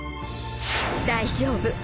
大丈夫。